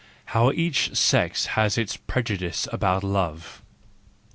How each Sex has its Prejudice about Love